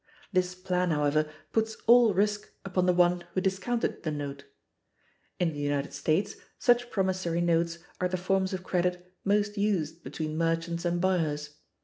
This plan, however, puts all risk upon the one who discounted the note. In the United States such promissory notes are the forms of credit most used between merchants and buyers.